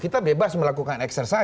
kita bebas melakukan eksternal